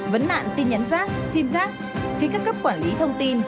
vấn nạn tin nhắn rác sim giác khi các cấp quản lý thông tin